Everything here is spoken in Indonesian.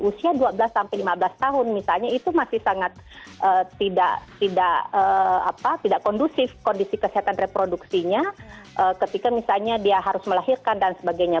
usia dua belas sampai lima belas tahun misalnya itu masih sangat tidak kondusif kondisi kesehatan reproduksinya ketika misalnya dia harus melahirkan dan sebagainya